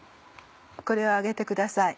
これを揚げてください。